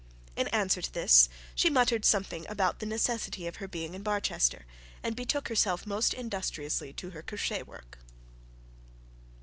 In answer to this she muttered something about the necessity of her being in Barchester, and betook herself industriously to her crochet work.